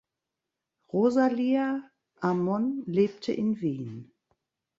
Rosalia Amon lebte in Wien.